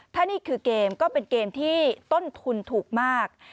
ถ้านี่คือเกมก็เป็นเกมที่ต้นทุนถูกมาก